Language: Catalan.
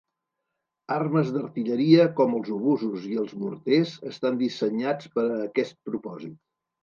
Armes d'artilleria com els obusos i els morters estan dissenyats per a aquest propòsit.